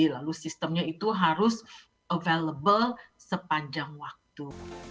lalu sistemnya itu harus available sepanjang waktu